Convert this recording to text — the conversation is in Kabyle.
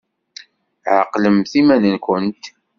Ɛqlemt iman-nkent!